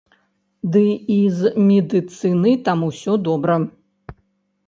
Ды і з медыцынай там усё добра.